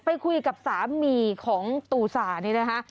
ไปคุยกับสามีของตูสานี่นะคะ